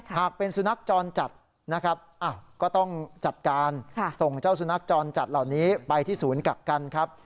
หากเป็นสุนัขจรจัดนะครับก็ต้องจัดการส่งเจ้าสุนัขจรจัดเหล่านี้ไปที่ศูนย์กักกันครับ